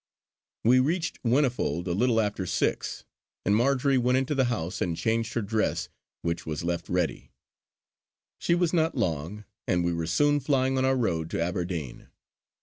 We reached Whinnyfold a little after six, and Marjory went into the house and changed her dress which was left ready. She was not long; and we were soon flying on our road to Aberdeen.